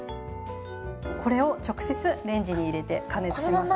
これを直接レンジに入れて加熱します。